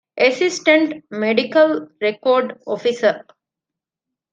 އެސިސްޓެންޓް މެޑިކަލް ރެކޯޑް އޮފިސަރ